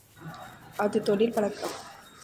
அது தொழில் பழக்கம்.